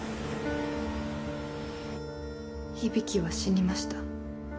響は死にました。